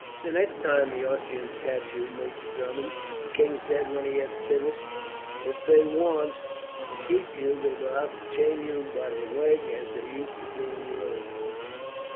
"The next time the Austrians catch you, Major Drummond," the king said when he had finished, "if they want to keep you, they will have to chain you by the leg, as they used to do in the old times."